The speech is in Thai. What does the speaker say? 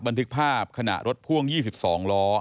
บันทึกภาพขณะรถพ่วง๒๒ล้อ